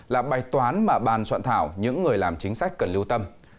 là bài toán mà bàn soạn thảo những người làm chính sách cần lưu tâm